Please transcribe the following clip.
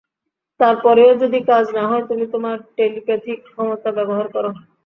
তার পরেও যদি কাজ না হয় তুমি তোমার টেলিপ্যাথিক ক্ষমতা ব্যবহার করো।